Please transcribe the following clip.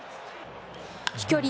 飛距離